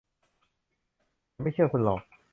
ฉันไม่เชื่อคุณหรอก